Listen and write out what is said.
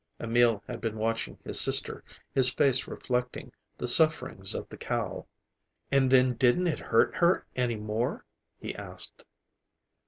Emil had been watching his sister, his face reflecting the sufferings of the cow. "And then didn't it hurt her any more?" he asked.